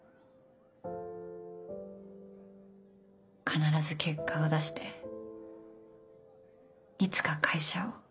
必ず結果を出していつか会社を。